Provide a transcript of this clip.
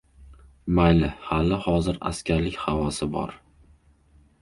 Mayli, hali-hozir askarlik havosi bor.